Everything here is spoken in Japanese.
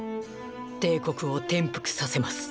帝国を転覆させます。